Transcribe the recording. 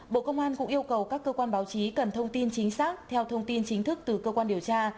bộ công an cũng yêu cầu các cơ quan báo chí cần thông tin chính xác theo thông tin chính thức từ cơ quan điều tra